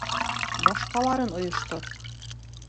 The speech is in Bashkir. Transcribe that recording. Башҡаларын ойоштор!